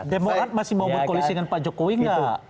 demokrat masih mau berkoalisi dengan pak jokowi nggak